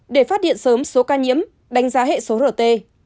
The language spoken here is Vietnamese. để phát hiện sớm số ca nhiễm đánh giá hệ số rt